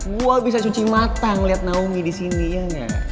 gue bisa cuci mata ngeliat naomi disini ya gak